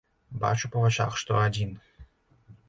Бачу па вачах, што адзін!